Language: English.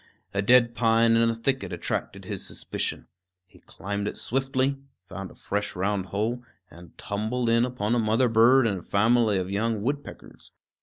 A dead pine in a thicket attracted his suspicion. He climbed it swiftly, found a fresh round hole, and tumbled in upon a mother bird and a family of young woodpeckers.